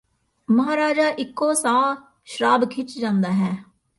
ਮਹਾਰਾਜਾ ਇਕੋ ਸਾਹ ਸ਼ਰਾਬ ਖਿੱਚ ਜਾਂਦਾ ਹੈ